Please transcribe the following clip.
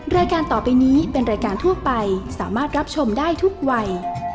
รายการต่อไปนี้เป็นรายการทั่วไปสามารถรับชมได้ทุกวัย